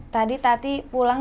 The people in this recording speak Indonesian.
tadi tati pulang